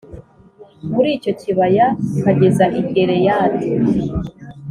Muri icyo kibaya ukageza i Gileyadi